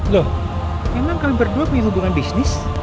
loh memang kami berdua punya hubungan bisnis